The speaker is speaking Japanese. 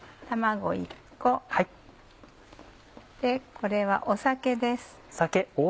これは酒です。